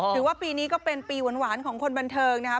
ถือว่าปีนี้ก็เป็นปีหวานของคนบันเทิงนะครับ